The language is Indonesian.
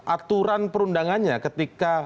aturan perundangannya ketika